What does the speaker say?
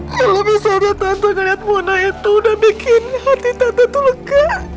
kalau misalnya tante ngeliat warna itu udah bikin hati tante lega